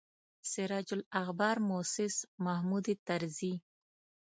سراج الاخبار موسس محمود طرزي.